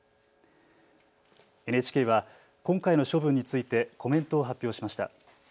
ＮＨＫは今回の処分についてコメントを発表しました。